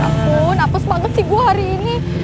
ya ampun apes banget sih gue hari ini